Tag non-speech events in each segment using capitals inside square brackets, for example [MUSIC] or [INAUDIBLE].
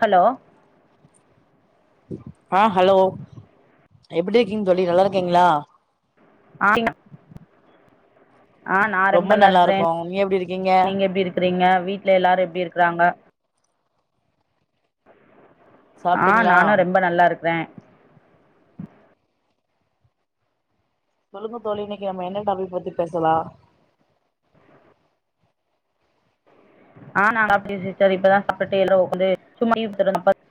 hello ஆ hello எப்புடி இருக்கீங் தோழி நல்லாருக்கீங்களா [UNINTELLIGIBLE] ஆ நான் ரொம்ப ரெம்பல்லா நல்லா இருக்கோ இருக்குறேன் நீங்க எப்டி இருக்கீங்க நீங்க எப்டி இருக் க்குறீங்க வீட்ல எல்லாரும் எப்டி இருக்குறாங்க ஆ சாப்ட்டீங்களா நானும் ரொம்ப நல்லாருக்குறேன் சொல்லுங்க தோழி இன்னைக்கு நம்ம என்ன டாபிக் பத்தி பேசலாம் ஆ நல்லா இருக்கே சிஸ்டர் இப்பதா சாப்டுட்டு எல்லா ஒக்காந்து சும்மா [UNINTELLIGIBLE]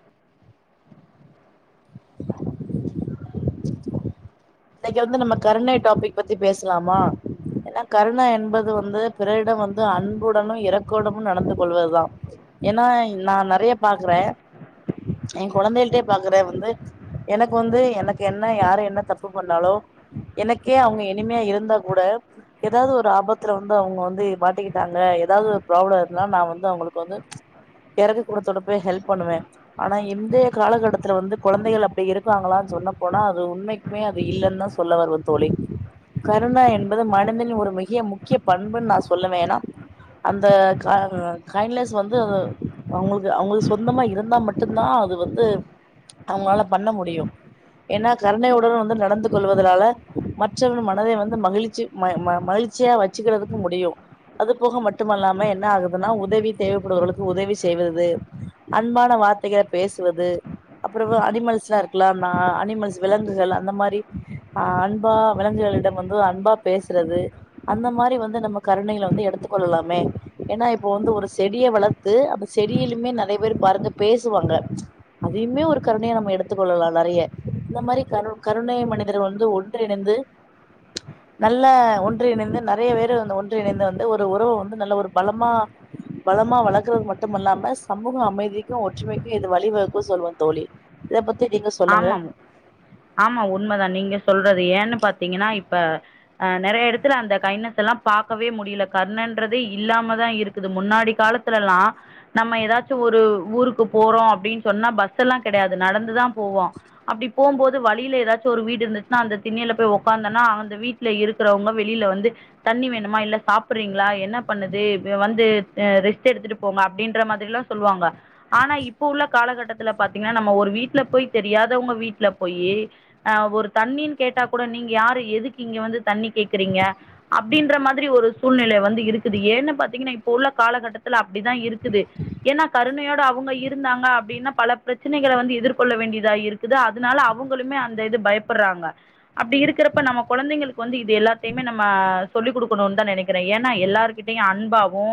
இன்னைக்கு வந்து நம்ம கருணை டாபிக் பத்தி பேசலாமா ஏன்னா கருணை என்பது வந்து பிறரிடம் வந்து அன்புடனும் இரக்குடமு நடந்து கொள்வது தான் ஏன்னா இ நான் நறையா பாக்குறேன் என் கொழந்தைகள்ட்டே பாக்கறேன் வந்து எனக்கு வந்து எனக்கு என்ன யாரும் என்ன தப் ப்பு பண்ணாலோ எனக்கே அவங்க எனிமியா இருந்தா கூட ஏதாவது ஒரு ஆபத்துல வந்து அவங்க வந்து மாட்டிக்கிட்டாங்க ஏதாவது ஒரு ப்ராப்ளம் இருந்துன்னா நான் வந்து அவங்களுக்கு வந்து எரக்கு குணத்தோட போய் ஹெல்ப் பண்ணுவேன் ஆனா இன்றைய காலகட்டத்துல வந்து கொழந்தைகள் அப்டி இருக்காங்களான்னு சொன்ன போனா அது உண்மை உண்மையா அது இல்லன் தான் சொல்ல வருவன் தோழி கருணா என்பது மனதின் ஒரு மிக்கிய முக்கிய பண்புன்னு நான் சொல்லுவேன் ஏனா அந்த க கைண்ட்லஸ் வந்து அது அவங்களுக்கு அவங்களுக்கு சொந்தமா இருந்தா மட் ட்டு தான் அது வந்து அவங்களால பண்ண முடியும் ஏன்னா கருணை உ ணர்வு வந்து நடந்து கொள்வதுனால மற்றவர் மனதை வந்து மகிழ்ச்சி ம ம மகிழ்ச்சியா வச் ச்சிக்கறதுக்கு முடியும் அது போக மட்டுமல்லாம என்ன ஆகுதுன்னா உதவி தேவைப்படுவர்களுக்கு உதவி செய்வது அன்பான வார்த்தைக பேசுவது அப்புறமா அனிமல்ஸ்லா இருக்குல ந அனிமல்ஸ் விலங்குகள்ல்லா அந்த மாரி ஆ அன்பா விளங்குகளிடம் வந்து அன்பா பேசுறது அந்த மாரி வந்து நம்ம கருணைகள வந்து எடுத்து கொள்ளலாமே ஏன்னா இப்போ வந்து ஒரு செடிய வளத் த்து அந்த செடியிலுமே நெறைய பேர் பாருங்க பேசுவாங்க அதையுமே ஒரு கருணையா நம்ம எடுத்து கொள்ளலாம் நெறைய இந்த மாரி கருண் கருணை மனிதர் வந்து ஒன்றிணைந்து நல்ல ஒன்றிணைந்து நெறைய பேரு அந்த ஒன்றிணைந்து வந்து ஒரு உறவு வந்து நல்ல ஒரு பலமா பலமா வளக்குறது மட்டும் அல்லாம சமூக அமைதிக்கும் ஒற்றுமைக்கி இது வழிவகுக்கும் சொல்லுவன் தோழி இத பத்தி நீங்க சொல்லுங்க ஆமாம் ஆமா உண்மதான் நீங்க சொல்றது ஏன்னு பாத்தீங்கன்னா இப்ப ஆ நெறைய எடத்துல அந்த கைன்ட்னஸ் எல்லாம் பாக்கவே முடியில கர்ணன்றதே இல்லாம தான் இருக்குது முன்னாடி காலத் துலல்லா நம்ம ஏதாச்சும் ஒரு ஊருக்கு போறோம் அப்டின் சொன்னா பஸ் எல்லா கெடையாது நடந்துதான் போவா அப்டி போம்போது வழியில ஏதாச்சும் ஒரு வீடு இருந்துச்சுன்னா அந்த திண்ணையில போய் ஒக்காந்தன்னா அந்த வீட் ல இருக்குறவங்க வெளில வந்து தண்ணி வேணுமா இல்ல சாப்புட்றீங்களா என்ன பண்ணுது இவே வந்து அ ரெஸ்ட் எடுத்துட்டு போங்க அப்டின்ற மாதிரில்லா சொல்வாங்க ஆனா இப்ப உள்ள காலகட்டத்துல பாத்தீங்கன்னா நம்ம ஒரு வீட்ல போய் தெரியாதவங்க வீட்ல போயி ஆ ஒரு தண்ணின்னு கேட்டா கூட நீங்க யாரு எதுக்கு இங்க வந்து தண்ணி கேக்குறீங்க அப்டின்ற மாதிரி ஒரு சூழ்நிலை வந்து இருக்குது ஏன்னு பாத்தீங்கன்னா இப்ப உள்ள காலகட்டத்துல அப்டிதான் இருக்குது ஏன்னா கருணையோட அவுங்க இருந்தாங்க அப்டின்னா பல பிரச்சனைகள வந்து எதிர்கொள்ள வேண்டிய தா இருக்குது அதனால அவுங்களுமே அந்த இது பயப்பட்றாங்க அப்டி இருக்கிறப்ப நம்ம கொழந்தைங்களுக் கு வந்து இது எல்லாத்தையுமே நம்ம சொல்லிக் கொடுக்கணுன்னு தா நெனக்கிறே ஏன்னா எல்லார்க்கிட்டயு அன்பாவு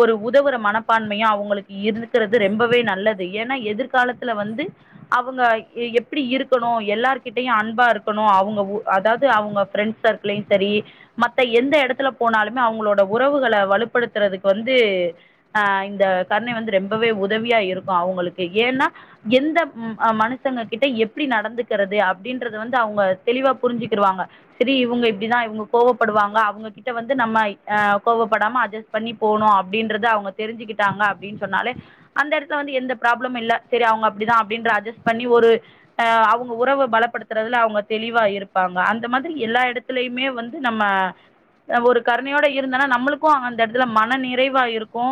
ஒரு உதவுற மனப்பான்மையு அவுங்களுக்கு இருக்கறது ரொம்பவே நல்லது ஏன்னா எதிர்காலத்துல வந்து அவுங்க எ எப்டி இருக்கணு எல்லார்கிட்டையும் அன்பா இருக்கணும் அவுங்க அதாது அவுங்க ஃப்ரெண்ட்ஸ் சர்க் லயு சரி மத்த எந்த எடத்துல போனாலுமே அவுங்களோட உறவுகள வலுப்படுத்துறதுக்கு வந்து ஆ இந்த கருணை வந்து ரொம்பவே உதவியா இருக்கு அவுங்களுக்கு ஏன்னா எந்த ம் ஆ மனுஷங்கக்கிட்ட எப்டி நடந்துக்கிறது அப்டின்றத வந்து அவுங்க தெளிவா புரிஞ்சுக்கிருவாங்க சரி இவுங்க இப்டிதா இவுங்க கோவப்படுவாங்க அவுங்கக்கிட்ட வந்து நம்ம ஆ கோவப்படாம அட்ஜஸ் பண்ணி போணு அப்டின்றது அவுங்க தெரிஞ்சுக்கிட்டாங்க அப்டின்னு சொன்னாலே அந்த எடத்துல வந்து எந்த ப்ராப்ளம் இல்ல சரி அவுங்க அப்டிதா அப்டின்ற அஜஸ்ட் பண்ணி ஒரு ஆ அவங்க உறவ பலப்படுத்துறதுல அவுங்க தெளிவா இருப்பாங்க அந்த மாதிரி எல்லா எடத் துலையுமே வந்து நம்ம ஆ ஒரு கருணையோட இருந்தன்னா நம்மளுக்கு அந்த எடத்துல மன நிறைவா இருக்கு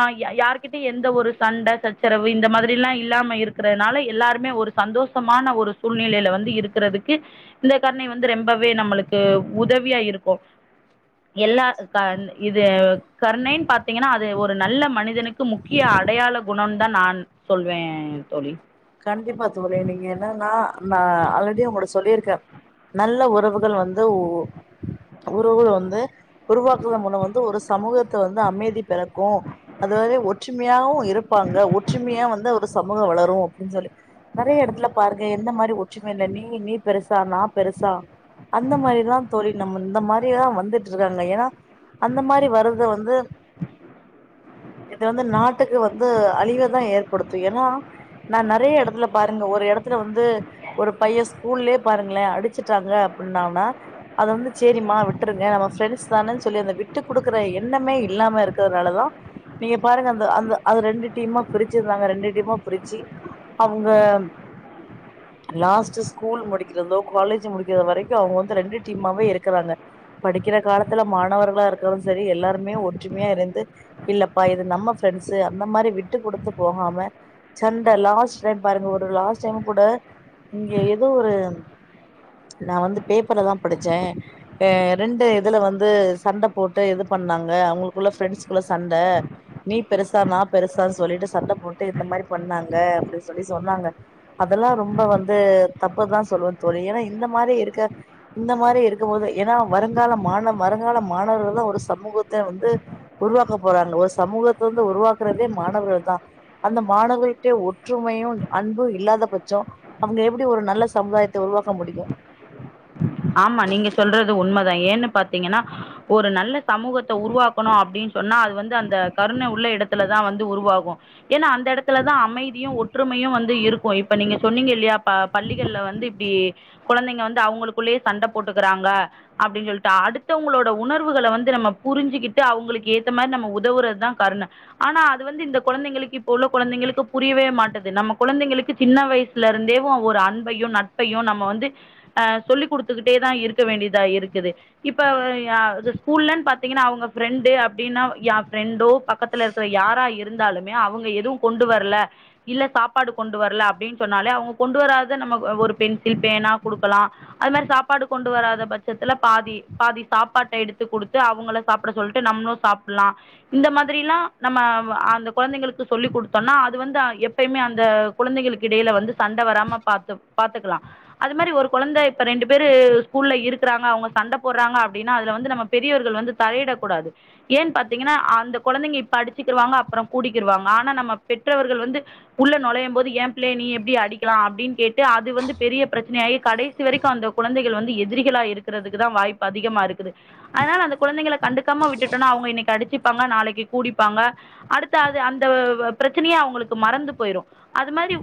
ஆ யா யாருகிட்டயு எந்த ஒரு சண்ட சச்சரவு இந்த மாதிரில்லா இல்லாம இருக்கறதுனால எல்லாரு மே ஒரு சந்தோஷமான ஒரு சூழ்நிலையில வந்து இருக்கிறதுக்கு இந்த கருணை வந்து ரொம்பவே நம்மளுக்கு உதவியா இருக்கு எல்லா க இது கருணைன்னு பாத்தீங்கன்னா அது ஒரு நல்ல மனிதனுக்கு முக் கிய அடையாள குணன்தா நா சொல்வே தோழி கண்டிப்பா தோழி நீங்க என்னன்னா நா ஆல்ரெடி அவுங்கட்ட சொல்லிருக்க நல்ல உறவுகள் வந்து ஒ உறவுகள வந்து உருவாக்குவதன் மூல வந்து ஒரு சமூகத்த வந்து அமைதி பெறக்கு அது வந்து ஒற்றுமையாவு இருப்பாங்க ஒற்றுமையா வந்து ஒரு சமூக வளரு அப்டின்னு சொல்லி நெறைய எடத்துல பாருக்க எந்த மாரி ஒற்றுமை இல்ல நீ நீ பெருசா நா பெருசா அந்த மாரிதா தோழி நம்ம இந்த மாரிதா வந்துட்டு இருக்காங்க ஏன்னா அந்த மாரி வர்றத வந்து இது வந்து நாட்டுக்கு வந்து அழிவ தா ஏற்படுத்து ஏன்னா நா நெறைய எடத்துல பாருங்க ஒரு எடத்துல வந்து ஒரு பைய ஸ்கூல்லேயே பாருங்களே அடிச்சுட்டாங்க அப்டின்னானா அத வந்து சேரிம்மா விட்ருங்க நம்ம ஃப்ரெண்ட்ஸ் தானே சொல்லி அந்த விட்டு குடுக்குற எண்ணமே இல்லாம இருக்கறதுனால தா நீங்க பாருங்க அந்த அந்த அது ரெண்டு டீமா பிரிச்சிருந்தாங்க ரெண்டு டீமா பிரிச்சு அவுங்க [INAUDIBLE] லாஸ்ட்டு ஸ்கூல் முடிக்கிறதோ காலேஜ் முடிக்கிற வரைக்கு அவுங்க வந்து ரெண்டு டீமாவே இருக்குறாங்க படிக்கிற காலத்துல மாணவர்களா இருக்கிறவரு சரி எல்லாருமே ஒற்றுமையா இருந்து இல்லப்பா இது நம்ம ஃப்ரெண்ட்ஸு அந்த மாரி விட்டுக் குடுத்து போகாம சண் ட லாஸ்ட் டைம் பாருங்க ஒரு லாஸ்ட் டைம் கூட இங்க ஏதோ ஒரு நா வந்து பேப்பர்லதா படிச்சே ஆ ரெண்டு இதுல வந்து சண்ட போட்டு இது பண்ணாங்க அவுங்களுக்குள்ள ஃப்ரெண்ட்ஸ்குள்ள சண்ட நீ பெருசா நா பெருசான்னு சொல்லிட்டு சண்ட போட்டு இந்த மாரி பண்ணாங்க அப்டி சொல்லி சொன்னாங்க அதெல்லா ரொம்ப வந்து தப்புதா சொல்லுவே தோழி ஏன்னா இந்த மாரி இருக்க இந்த மாரி இருக்கும் போது ஏன்னா வருங்கால மாண வருங்கால மாணவர்கள் தா ஒரு சமூகத்த வந்து உருவாக்கப் போறாங்க ஒரு சமூகத்த வந்து உருவாக்குறதே மாணவர்கள் தா அந்த மாணவ ட்டு ஒற்றுமையு அன்பு இல்லாத பட்சோ அவங்க எப்டி ஒரு நல்ல சமுதாயத்த உருவாக்க முடியு ஆமா நீங்க சொல்றது உண்மதா ஏன்னு பாத்தீங்கன்னா ஒரு நல்ல சமூகத்த உருவாக்கணு அப்டின்னு சொன்னா அது வந்து அந்த கருன உள்ள இடத்துலதா வந்து உருவாகு ஏன்னா அந்த இடத்துலதா அமைதியு ஒற்றுமையு வந்து இருக்கு இப்ப நீங்க சொன்னீங்க இல்லயா ப பள்ளிகள்ல வந்து இப்டி குழந்தைங்க வந்து அவங்களுக்குள்ளே சண்ட போட்டுக்கிறாங்க அப்டி சொல்ட்டு அடுத்தவங்களோட உணர்வுகள வந்து நம்ம புரிஞ்சுக்கிட்டு அவங்களுக்கு ஏத்த மாரி நம்ம உதவுறதுதா கருண ஆனா அது வந்து இந்த குழந்தைங்களுக்கு இப்போ உள்ள குழந்தைங்களுக்கு புரியவே மாட்டது நம்ம குழந்தைங்களுக்கு சின்ன வயசு ல இருந்தே ஒரு அன்பையு நட்பையு நம்ம வந்து அ சொல்லி் கொடுத்துக்கிட்டே தா இருக்க வேண்டியதா இருக்குது இப்ப அ ஸ்கூல்லுலன்னு பாத்தீங்கன்னா அவங்க ஃபிரெண்டு அப்டின்னா எய ஃபிரண்டோ பக்கத்து இடத்துல இருக்கிற யாரா இருந்தாலுமே அவங்க எதுவும் கொண்டு வரல இல்ல சாப்பாடு கொண்டு வரல அப்டின்னு சொன்னாலே அவங்க கொண்டு வராத நம்ம ஒரு பென்சில் பேனா குடுக்கலா அது மாரி சாப்பாடு கொண்டு வராத அதுமாரி சாப்பாடு கொண்டு வராத பட்சத்துல பாதி பாதி சாப்பாட்ட எடுத்து கொடுத்து அவங்கள சாப்ட சொல்லிட்டு நம்மளும் சாப்டலா இந்த மாதிரி எல்லா நம்ம அந்த குழந்தைகளுக்கு சொல்லிக் கொடுத்தோம்னா அது வந்து எ எப்பயுமே அந்த குழந்தைகளுக்கு இடையில வந்து சண்ட வராம பாத்து பாத்துக்கலா அது மாரி ஒரு குழந்த இப்ப ரெண்டு பேர் ஸ்கூல்ல இருக்கிறாங்க அவங்க சண்ட போடுறாங்க அப்டின்னா அதுல வந்து நம்ம பெரியவர்கள் வந்து தலயிடக்கூடாது ஏன் பாத்தீங்கன்னா அந்த குழந்தைங்க இப்ப அடிச்சுக்கிருவாங்க அப்பற கூடிக்கிருவாங்க ஆனா நம்ம பெற்றவர்கள் வந்து உள்ள நுழையும் போது ஏய பிள்ளை ய நீ எப்டி அடிக்கலா அப்டின்னு கேட்டு அது வந்து பெரிய பிரச்சனையகி கட கடைசி வரைக்கும் அந்த குழந்தைகள் வந்து எதிரிகளா இருக்கிறதுக்கு தா வாய்ப்பு அதிகமா இருக்குது அதனால அந்த குழந்தைகள கண்டுக்காம விட்டுட்டோனா அவங்க இன்னிக்கு அடிச்சிப்பாங்க நாளைக்கு கூடிப்பாங்க அடுத்த அது அந்த பிரச்சனயே அவங்களுக்கு மறந்து போயிரும் அது மாரி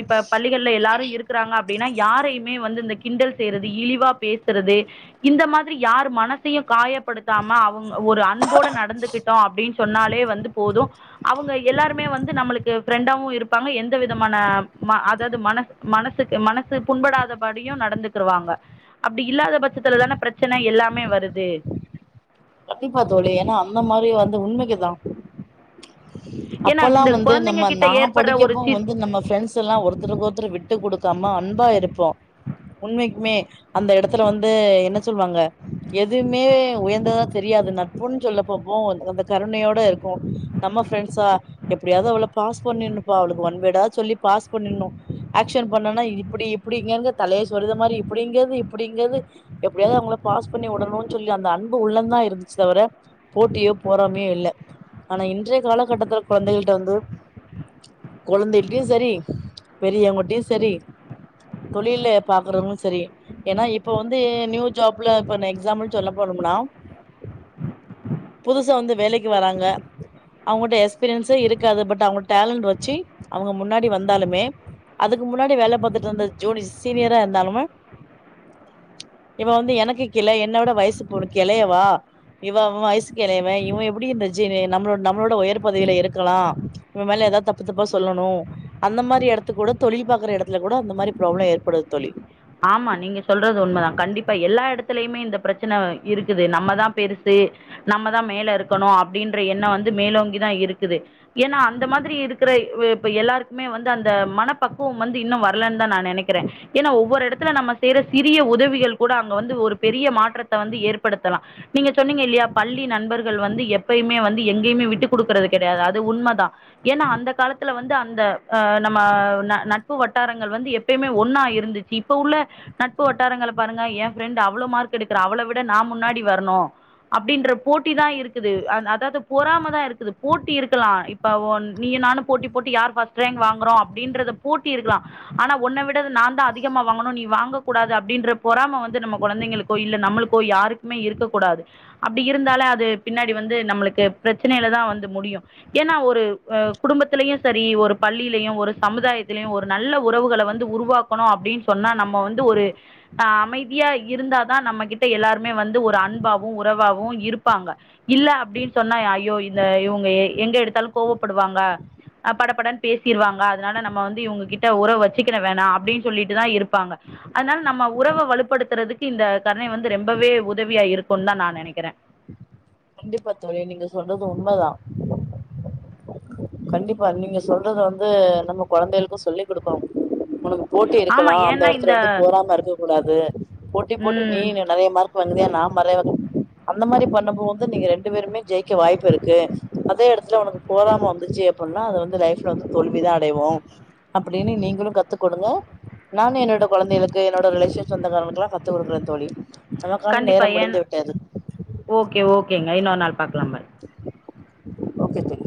இப்ப பள்ளிகள் எல்லாரும் இருக்கிறாங்க அப்டின்னா யாரையுமே வந்து இந்த கிண்டல் செய்யறது இழிவா பேசுறது இந்த மாரி யார் மனசையும் காயப்படுத்தாம அவங்க ஒரு அன்போட நடந்துகிட்டு டோன் அப்டின் சொன்னாலே வந்து போதும் அவங்க எல்லாருமே வந்து நம்மளுக்கு ஃபரெண்டாவும் இருப்பாங்க எந்த விதமான அதாவது மன மனசுக்கு மனசு புண்படாத பாடி க்யூ நடந்துக்குதுருவாங்க அப்டி இல்லாத பட்சத்துல தான பிரச்சனை எல்லாமே வருது கண்டிப்பா தோழி ஏன்னா அந்த மாரி வந்து உண்மைக்குதா ஏன்னா அப்ல்லா இந்த வந்து குழந்தைங்க நம்ம கிட்ட நா ஏற்படுற ஒரு படிக்கப்ப சி வந்து நம்ம ஃபிரெண்ட்ஸ் எல்லாம் ஒருத்தருக்கு ஒருத்தர் விட்டு கொடுக்காம அன்பா இருப்போ உண்மைக்குமே அந்த இடத்துல வந்து என்ன சொல்லுவாங்க எதுமே உயர்ந்ததா தெரியாது நட்புன்னு சொல்ல போப்போ அந்த கருணையோட இருக்கும் நம்ம ஃபரெண்ட்ஸா எப்டியாவது அவள பாஸ் பண்ணும்ப்பா அவளுக்கு ஒன் வேடாவது சொல்லி பாஸ் பண்ணிடும் ஆக்ஷன் பண்னா இப்டி இப்டிங்கிறது தலைய சொறியர்து மாரி இப்டிங்கிறது இப்டிங்கிறது எப்டியாவது அவங்கள பாஸ் பண்ணி உடணும்னு சொல்லி அந்த அன்பு உள்ளந்தா இரு ச்சு தவிர போட்டியோ பொறாமையோ இல்ல ஆனா இன்றைய காலகட்டத்துல குழந்தைகிட்ட வந்து குழந்தைகிட்டயு சரி பெரியவங்கிட்டயும் சரி தொழில பாக்குறவங்களும் சரி ஏன்னா இப்ப வந்து நியூ ஜாப்ல இப்பண்ண எக்ஸாம்முள் சொல்ல போனும்னா புதுச வந்து வேலைக்கு வராங்க அவங்கள்ட எக்ஸ்பீரியன்ஸே இருக்காது பட் அவங்க டேலண்டட் வச்சு அவங்க முன்னாடி வந்தாலுமே அதுக்கு முன்னாடி வேல பாத்துட்டு இருந்த ஜூனிய சீனியரா இருந்தாலமே இவ வந்து எனக்கு கிள என்னோட வயசு போண கிளையவா இவவ் வய்சுக்கு எளையவெ இவெ எப்டி இந்த ஜீன்னு நம்ளோ நம்மளோட உயர் பதவில இருக்கலா இவ மேல ஏதாவ் தப்பு தப்பா சொல்லனு அந்த மாரி எடத்து கூட தொழில் பாக்கற எடத்துல கூட அந்த மாரி ப்ராப்ளோ ஏற்படு தோழி ஆமா நீங்க சொல்றது உண்மதா கண்டிப்பா எல்லா யடத்துலயுமே இந்த ப்ரச்சனவ் இருக்குது நம்மதா பெருசு நம்மதா மேல இருக்கணு அப்டின்ற எண்ணோ வந்து மேலோங்கிதா இருக்குது ஏன்னா அந்த மாதிரி இருக்குறய் இவெ இப்ப எல்லார்க்குமே வந்து அந்த மனப்பக்குவம் வந்து இன்னு வரலன் தா நா நெனக்கிறே ஏ நா ஒவ்வொரு எடத்துல நம்ம செய்ற சிறிய உதவிகள் கூட அங்க வந்து ஒரு பெரிய மாற்றத்த வந்து ஏற்படுத்தலா நீங்க ச்சொன்னீங்க இல்யா பள்ளி நண்பர்கள் வந்து எப்பயுமே வந்து எங்கேமே விட்டுக் கொடுக்கறது கிடையாது அது உண்மதா ஏன்னா அந்த காலத்துல வந்து அந்த அ நம்மவ் ந நட்பு வட்டாரங்கள் வந்து எப் எப்பய்மே ஒண்ணா இருந்துச்சி இப்ப உள்ள நட்பு வட்டாரங்கள பாருங்க எ ஃப்ரெண்டு் அவ்ளோ மார்க் எடுக்குறா அவள விட நா முன்னாடி வர்ணு அப்டின்ற போட்டி தா இருக்குது அன் அதாவ்து பொறாம தா இருக்குது போட்டி இருக்கலா இப் ப ஒன் நீயு நானு போட்டி போட்டு யார் ஃபஸ்ட் ரேங்க் வாங்றோ அப்டின்றத போட்டி இருக்குலா ஆனா உன்ன விடது நான் தா அதி க்கியம்மா வாங்கணு நீ வாங்கக்கூடாது அப்டின்ற பொறாம வந்து நம்ம குழந்தைகளுக்கோ இல்ல நம்மளுக்கோ யாருக்மே இருக்கக்கூடாது அப்டி இருந்தால அது பின்னாடி வந்து நம்மளுக்கு ப்ரச்சனைய்ல தா வந்து முடியு ஏன்னா ஒரு அ குடும்பத்திலயை சரி ஒரு பள்ளிலயு ஒரு சமுதாயத்திலயு ஒர் நல்ல உறவுகள வந்து உருவாக்கணு அப்டி சொன்னா நம்ம வந்து ஒரு ஹா அமைதியா இருந்தா தா நம்மகிட்ட எல்லார்மே வந்து ஒரு அன்பாவு உறவாவு இரு ப்பாங்க இல்ல அப்டி சொன்னா ஐயோ இந்த இவுங்க எங்க எடுத்தால் கோவப்படுவாங்க அ படபடன் பேசிருவாங்க அதனால நம்ம வந்து இவ்ங்ககிட்ட உறவ் வச்சிக்கிற வேணா அப்டிஸ் சொல்லிட்டுதா இருப்பாங்க அனால் நம்ம உறவ வலுப்படுத்துறதுக்கு இந்த கருணை வந்து ரெம்பவே உதவியா இருக்குன் தா நா நெனைக்கிறே கண்டிப்பா தோழி நீங்க சொல்றது உண்மதா கண்டிப்பா நீங்க சொல்றது வந்து நம்ம குழந்தைள்க்கு சொல்லிக் குடுக்கொம் [UNINTELLIGIBLE] போட்டி இருக்கலா ஆமாம் அந்த ஏன்னா இந்த எடத்துல வந்து பொறாம இருக்க கூடாது போட்டி போட்டு நீ ம் நின் நறையா மார்க் வந்த்யா நா மறைவானே அந்த மாரி பண்ண போ வந்து நீங்க ரெண்டு பேருமே ஜெய்க்க வாய்ப் இருக்கு அதே எடத்துல உனக்கு போறாமம் ரின்ஜே அப்பன்னா அது வந்து லைஃப்ல வந்து தோல்விதா அடைவோ அப்படின்னு நீங்களு கத்து கொடுங்க நானு என்னோட கொழந்தைளுக்கு என்னோட ரிலேஷன் சொந்த காரங்களுக்குல்லா கத்து குடுக்றே தோழி கனா கானு நேரம் கண்டிப்பாக ஏன் முடிந்து விட்டது ஓகே ஓகேங்க இன்னோ நாள் பாக்லாம் பாய் ஓகே தோழி